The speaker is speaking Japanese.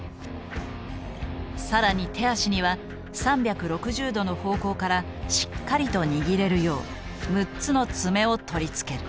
更に手足には３６０度の方向からしっかりと握れるよう６つのツメを取り付ける。